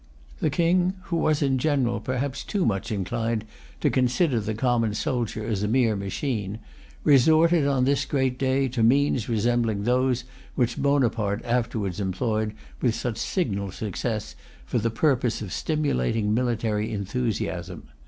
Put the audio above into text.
The King, who was, in general, perhaps too much inclined to consider the common soldier as a mere machine, resorted, on this great day, to means resembling those which Bonaparte afterwards employed with such signal success for the purpose of stimulating military enthusiasm.